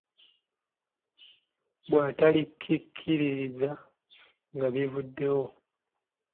Bw'atalikikkiriza nga babivaako.